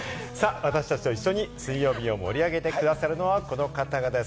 私達と一緒に水曜日を盛り上げて下さるのは、この方々です。